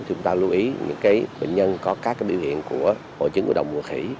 chúng ta lưu ý những bệnh nhân có các biểu hiện của hội chứng của đồng mùa khỉ